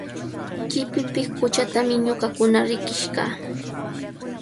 Chipipiq quchatami ñuqakuna riqish kaa.